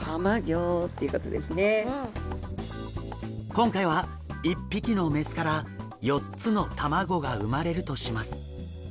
今回は１匹の雌から４つの卵が産まれるとします。